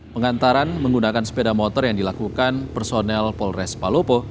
pengantaran menggunakan sepeda motor yang dilakukan personel polres palopo